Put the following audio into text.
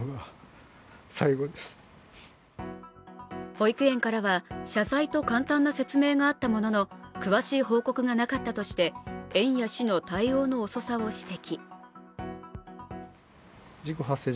保育園からは謝罪と簡単な説明があったものの詳しい報告がなかったとして園や市の対応の遅さを指摘。